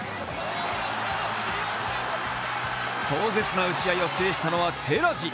壮絶な打ち合いを制したのは寺地。